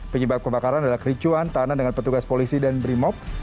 penyebab kebakaran adalah kericuan tahanan dengan petugas polisi dan brimob